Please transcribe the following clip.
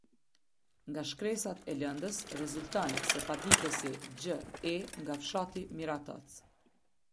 Nga shkresat e lëndës rezulton se paditësi Xh E nga fshati Miratoc.